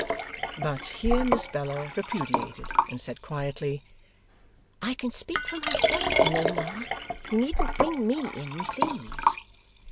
But, here Miss Bella repudiated, and said quietly, 'I can speak for myself; you know, ma. You needn't bring ME in, please.